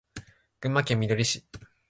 群馬県みどり市